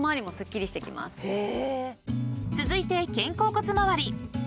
［続いて肩甲骨回り］